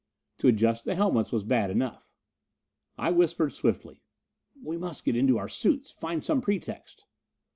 To adjust the helmets was bad enough. I whispered swiftly, "We must get into our suits find some pretext."